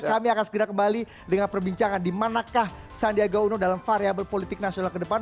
kami akan segera kembali dengan perbincangan di manakah sandi aga uno dalam variabel politik nasional ke depan